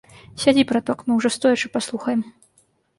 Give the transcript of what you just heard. Сядзі, браток, мы ўжо стоячы паслухаем.